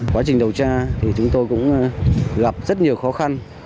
quá trình điều tra thì chúng tôi cũng gặp rất nhiều khó khăn